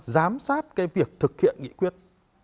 giám sát cái việc thực hiện nghị quyết